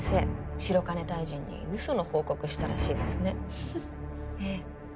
白金大臣に嘘の報告したらしいですねええ